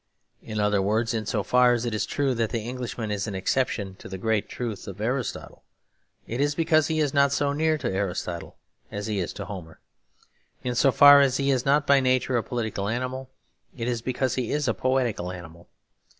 In other words, in so far as it is true that the Englishman is an exception to the great truth of Aristotle, it is because he is not so near to Aristotle as he is to Homer. In so far as he is not by nature a political animal, it is because he is a poetical animal.